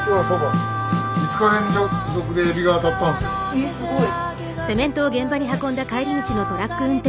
えっすごい。